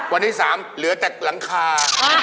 วันที่๓เหลือแต่หลังคา